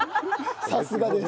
さすがです。